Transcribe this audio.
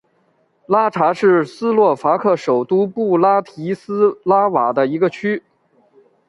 拉察是斯洛伐克首都布拉提斯拉瓦的一个区。